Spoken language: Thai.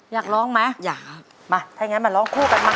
อยากร้องไหมอยากครับมาถ้าอย่างงั้นมาร้องคู่กันมา